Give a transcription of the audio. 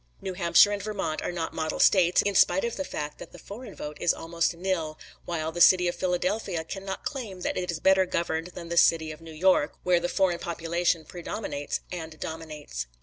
New Hampshire and Vermont are not model States, in spite of the fact that the foreign vote is almost "nil"; while the city of Philadelphia cannot claim that it is better governed than the city of New York, where the foreign population predominates and dominates.